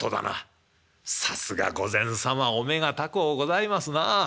「さすが御前様お目が高うございますな。